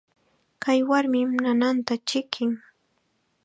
Kay warmim nananta chikin.